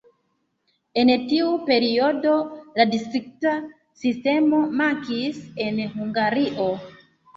En tiu periodo la distrikta sistemo mankis en Hungario.